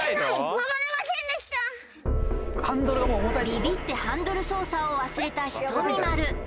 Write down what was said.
ビビってハンドル操作を忘れたひとみ○